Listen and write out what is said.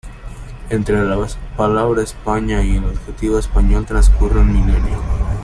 Entre la palabra España y el adjetivo español transcurre un milenio.